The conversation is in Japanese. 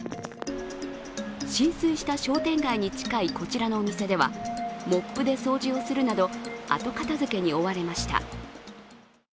浸水した商店街に近いこちらのお店では、モップで掃除をするなど後片づけに追われました。